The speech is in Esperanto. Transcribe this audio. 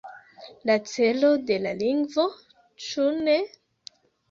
La celo de la lingvo, ĉu ne?